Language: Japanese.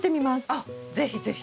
あっ是非是非。